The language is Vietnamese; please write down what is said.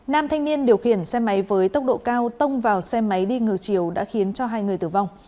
nam thanh niên điều khiển xe máy với tốc độ cao tông vào xe máy đi ngược chiều đã khiến cho hai người tử vong